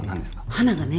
花がね